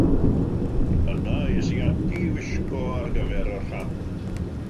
Yna es i ati i wisgo ar gyfer y rhan.